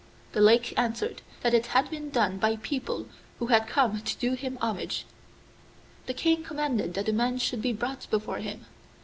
The Lake answered that it had been done by people who had come to do him homage. The King commanded that the men should be brought before him.